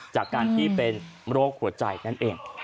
จากการที่เป็นโรคหัวใจนั่นเอง